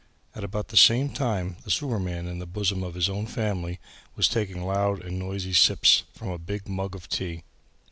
At about the same time the sewerman in the bosom of his own family was taking loud and noisy sips from a big mug of tea.